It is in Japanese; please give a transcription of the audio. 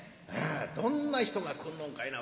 どんな人が来んのんかいな。